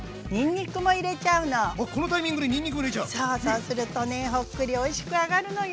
そうするとねほっくりおいしく揚がるのよ。